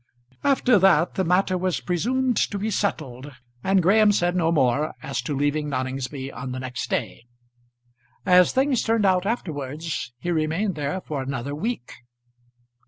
After that the matter was presumed to be settled, and Graham said no more as to leaving Noningsby on the next day. As things turned out afterwards he remained there for another week.